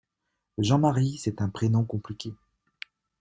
Jean-Marie c'est un prénom compliqué.